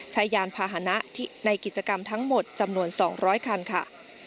ยานพาหนะในกิจกรรมทั้งหมดจำนวน๒๐๐คันค่ะ